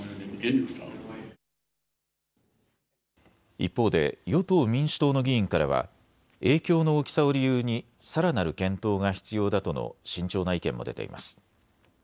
一方で与党・民主党の議員からは影響の大きさを理由にさらなる検討が必要だとの慎重な意見も出ています。